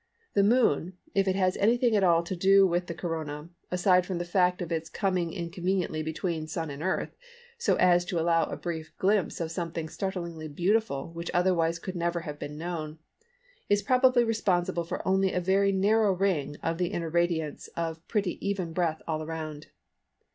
The Moon, if it has anything at all to do with the corona, aside from the fact of its coming in conveniently between Sun and Earth, so as to allow a brief glimpse of something startlingly beautiful which otherwise could never have been known, is probably responsible for only a very narrow ring of the inner radiance of pretty even breadth all round.